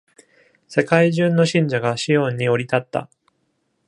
世界中の信者がシオンに降り立った。